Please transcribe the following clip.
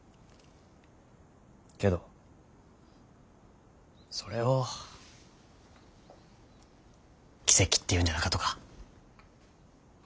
けどそれを奇跡って言うんじゃなかとか。